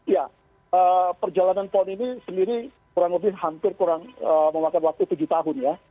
ya perjalanan pon ini sendiri kurang lebih hampir kurang memakan waktu tujuh tahun ya